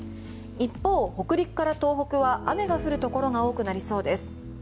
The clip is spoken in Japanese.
一方、北陸から東北は雨が降るところが多くなりそうです。